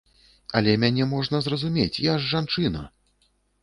Але мяне можна зразумець, я ж жанчына!